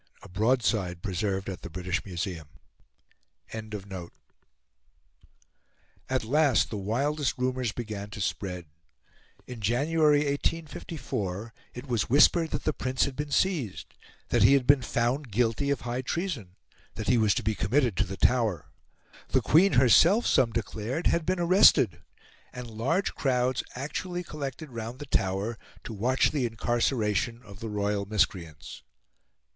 a broadside preserved at the British Museum. In January, 1854, it was whispered that the Prince had been seized, that he had been found guilty of high treason, that he was to be committed to the Tower. The Queen herself, some declared, had been arrested, and large crowds actually collected round the Tower to watch the incarceration of the royal miscreants.